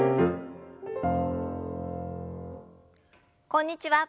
こんにちは。